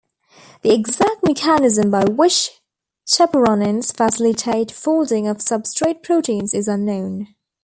The exact mechanism by which chaperonins facilitate folding of substrate proteins is unknown.